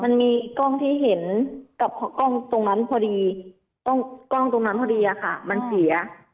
มันมีกล้องที่เห็นกับกล้องตรงนั้นพอดีมันเสีย